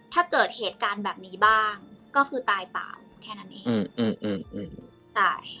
ถ้าเกิดเหตุการณ์แบบนี้บ้างก็คือตายเปล่าแค่นั้นเองตาย